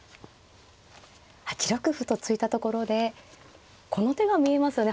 ８六歩と突いたところでこの手が見えますよね